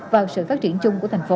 vào sự phát triển chung của thành phố